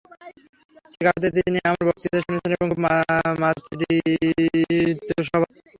চিকাগোতে তিনি আমার বক্তৃতা শুনেছেন এবং খুব মাতৃস্বভাবা।